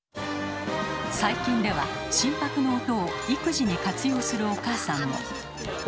最近では心拍の音を育児に活用するお母さんも。